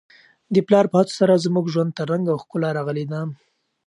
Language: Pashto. د پلار په هڅو سره زموږ ژوند ته رنګ او ښکلا راغلې ده.